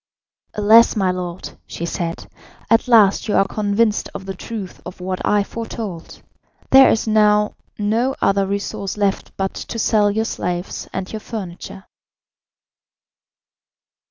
"Alas, my lord," she said, "at last you are convinced of the truth of what I foretold. There is now no other resource left but to sell your slaves and your furniture."